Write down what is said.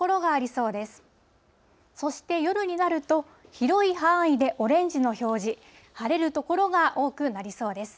そして夜になると、広い範囲でオレンジの表示、晴れる所が多くなりそうです。